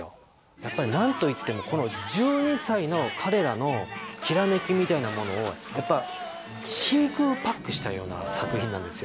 やっぱり何といってもこの１２歳の彼らのきらめきみたいなものを真空パックしたような作品なんですよ。